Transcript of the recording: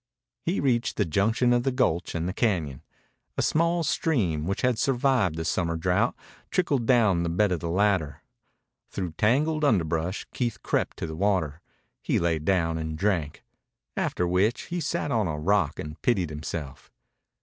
He reached the junction of the gulch and the cañon. A small stream, which had survived the summer drought, trickled down the bed of the latter. Through tangled underbrush Keith crept to the water. He lay down and drank, after which he sat on a rock and pitied himself.